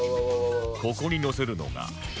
ここにのせるのが